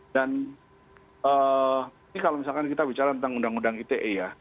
dan ini kalau misalkan kita bicara tentang undang undang ite